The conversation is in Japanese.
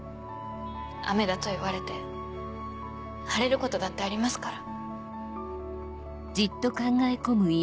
雨だと言われて晴れることだってありますから。